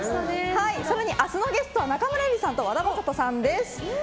更に明日のゲストは中村ゆりさんと和田正人さんです。